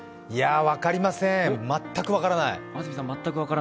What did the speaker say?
いや、分かりません、全く分からない。